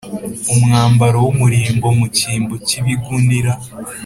umwambaro w’umurimbo mu cyimbo cy’ibigunira,